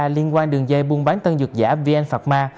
liên quan đường dây buôn bán tân dược giả vn phạm ma